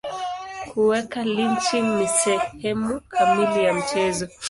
Kuweka lynching ni sehemu kamili ya mchezo.